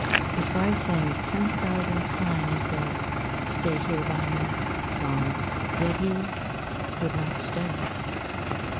If I sang ten thousand times the Stay here by me song, yet he would not stay.